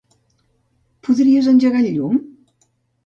Podries engegar el llum?